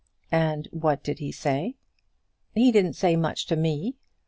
"And what did he say?" "He didn't say much to me.